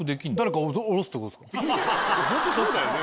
ホントにそうだよね。